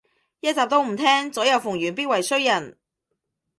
一集都唔聼，左右逢源必為衰人